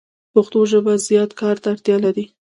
پښتو ژبه زیات کار ته اړتیا لری